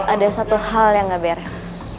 ada satu hal yang gak beres